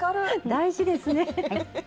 大事ですね。